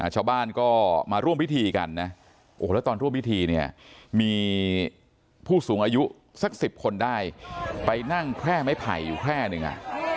ชาวบ้านก็มาร่วมพิธีกันนะโอ้โหแล้วตอนร่วมพิธีเนี่ยมีผู้สูงอายุสัก๑๐คนได้ไปนั่งแคร่ไม้ไผ่อยู่แค่หนึ่งอ่ะ